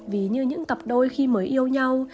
vì như những cặp đôi khi mới yêu nhau